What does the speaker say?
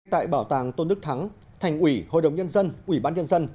tại bảo tàng tôn đức thắng thành ủy hội đồng nhân dân ủy ban nhân dân